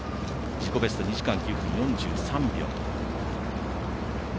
自己ベスト２時間９分４３秒。